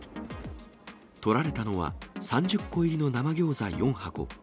とられたのは、３０個入りの生餃子４箱。